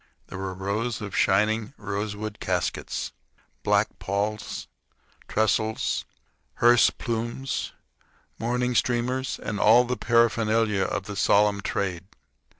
There were rows of shining rosewood caskets, black palls, trestles, hearse plumes, mourning streamers, and all the paraphernalia of the solemn trade.